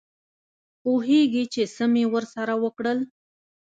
پوهېږې چې څه مې ورسره وکړل.